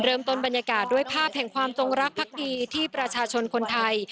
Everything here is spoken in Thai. บรรยากาศด้วยภาพแห่งความจงรักพักดีที่ประชาชนคนไทย